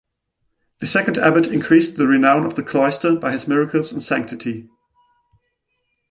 The second Abbot increased the renown of the cloister by his miracles and sanctity.